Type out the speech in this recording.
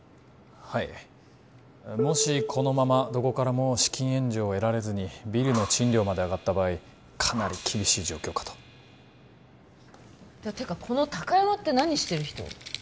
はいもしこのままどこからも資金援助を得られずにビルの賃料まで上がった場合かなり厳しい状況かとてかこの高山って何してる人？